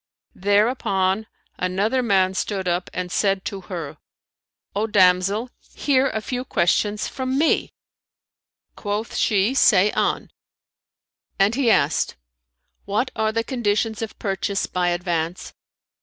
Thereupon another man stood up and said to her, "O damsel, hear a few questions from me." Quoth she, "Say on;' and he asked, "What are the conditions of purchase by advance?"